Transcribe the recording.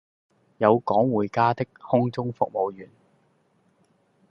有趕回家的空中服務員